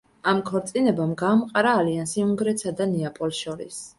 ამ ქორწინებამ გაამყარა ალიანსი უნგრეთსა და ნეაპოლს შორის.